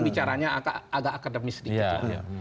bicaranya agak akademis sedikit